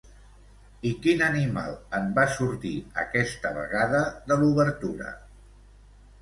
I quin animal en va sortir, aquesta vegada, de l'obertura?